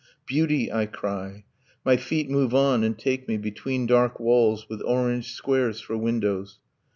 'Beauty!' I cry. ... My feet move on, and take me Between dark walls, with orange squares for windows.